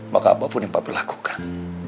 maka apapun yang papi lakukan